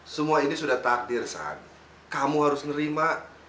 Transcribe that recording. semua ini sudah takdir saat kamu harus nerima